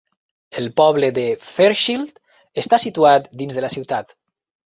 El poble de Fairchild està situat dins de la ciutat.